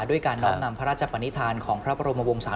ด้วยการน้อมนำพระราชปนิษฐานของพระบรมวงศา